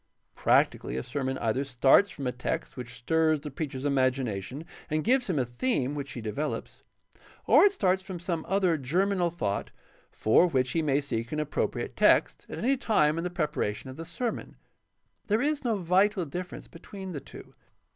Practically, a sermon either starts from a text which stirs the preacher's imagination and gives him a theme which he devel ops, or it starts from some other germinal thought for which he may seek an appropriate text at any time in the prepara tion of the sermon. There is no vital difference between the two.